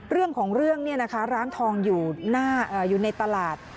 เรื่องของเรื่องเนี่ยนะคะร้านทองอยู่ในตลาด